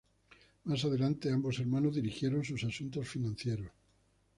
Más adelante, ambos hermanos dirigieron sus asuntos financieros.